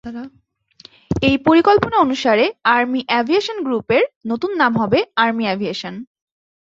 এই পরিকল্পনা অনুসারে আর্মি এভিয়েশন গ্রুপের নতুন নাম হবে "আর্মি এভিয়েশন"।